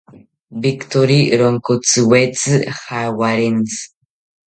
Victori ronkotziwetzi jawarintzi